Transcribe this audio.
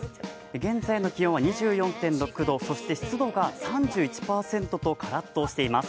現在の気温は２４．６度、そして湿度が３１％とカラッとしています。